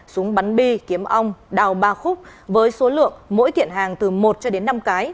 súng bắn bi kiếm ong đào ba khúc với số lượng mỗi kiện hàng từ một cho đến năm cái